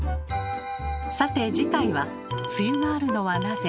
さて次回は「梅雨があるのはなぜ？」